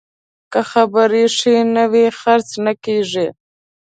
که خبرې ښې نه وي، خرڅ نه کېږي.